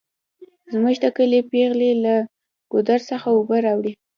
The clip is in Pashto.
زمونږ د کلي پیغلې له ګودر څخه اوبه راوړي